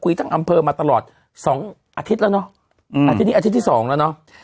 ทั้งอำเภอมาตลอดสองอาทิตย์แล้วเนอะอาทิตย์นี้อาทิตย์ที่สองแล้วเนอะ